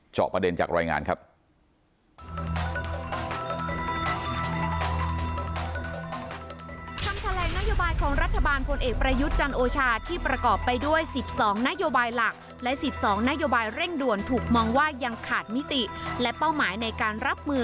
จอบประเด็นจากรายงานครับ